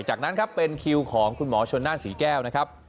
จากนั้นครับเป็นคิวของคุณหมอชนน่านศรีแก้วนะครับ